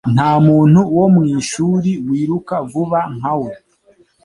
Nta muntu wo mu ishuri wiruka vuba nka we.